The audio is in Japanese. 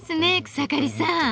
草刈さん。